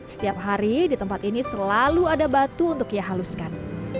setiap hari di tempat ini selalu ada batu untuk ia haluskan